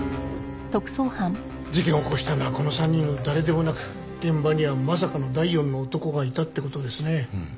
事件を起こしたのはこの３人の誰でもなく現場にはまさかの第４の男がいたって事ですね。